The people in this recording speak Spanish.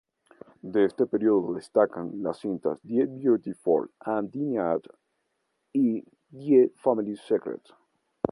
De este período destacan las cintas "The Beautiful and Damned" y "The Family Secret".